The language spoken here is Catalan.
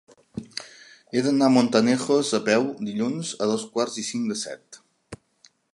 He d'anar a Montanejos a peu dilluns a dos quarts i cinc de set.